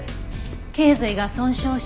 頸髄が損傷し